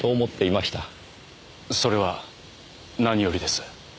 それは何よりです。